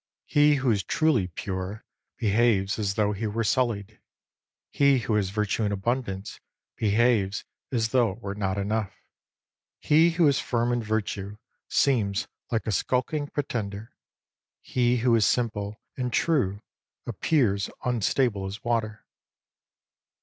He who is truly pure behaves as though he were sullied. He who has virtue in abundance behaves as though it were not enough. He who is firm in virtue seems like a skulking pretender. He who is simple and true appears unstable as water.